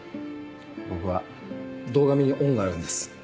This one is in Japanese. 僕は堂上に恩があるんです。